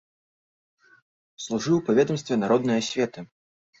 Служыў па ведамстве народнай асветы.